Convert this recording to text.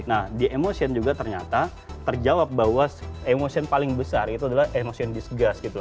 nah di emotion juga ternyata terjawab bahwa emotion paling besar itu adalah emotion disgust gitu